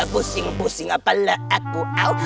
pusing pusing apalah aku